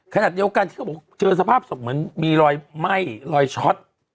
ขนาดเดียวกันเจอสภาพศพเหมือนมีรอยไหม้รอยช็อต